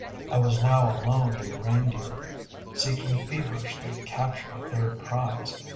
I was now alone in the Reindeer, seeking feverishly to capture a third prize.